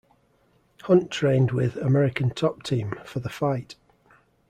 Hunt trained with American Top Team for the fight.